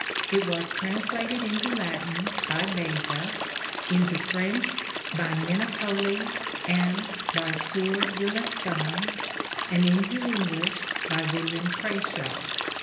It was translated into Latin by Beza ; into French by Minutoli and by Sieur de Lestan ; and into English by William Crashaw."